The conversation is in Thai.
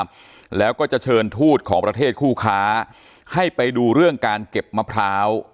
แล้วก็จะเชิญทูตของประเทศคู่ค้าให้ไปดูเรื่องการเก็บมะพร้าว